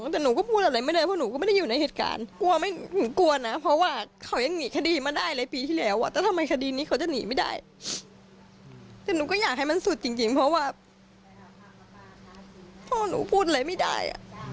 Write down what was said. แต่หนูก็พูดอยากให้มันสุดจริงเพราะว่าพ่อหนูพูดอะไรไม่ได้